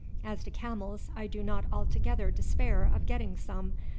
As to camels, I do not altogether despair of getting some.